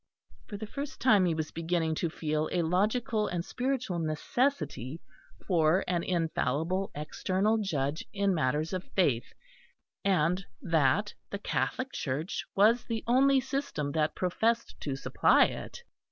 For the first time he was beginning to feel a logical and spiritual necessity for an infallible external Judge in matters of faith; and that the Catholic Church was the only system that professed to supply it.